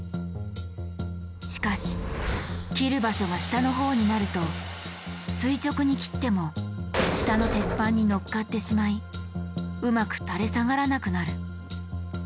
しかし切る場所が下の方になると垂直に切っても下の鉄板に載っかってしまいうまく垂れ下がらなくなる。